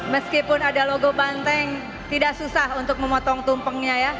meskipun ada logo banteng tidak susah untuk memotong tumpengnya ya